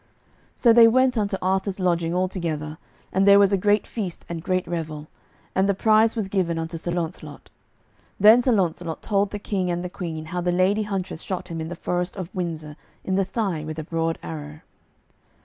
So they went unto Arthur's lodging all together, and there was a great feast and great revel, and the prize was given unto Sir Launcelot. Then Sir Launcelot told the King and the Queen how the lady huntress shot him in the forest of Windsor in the thigh with a broad arrow.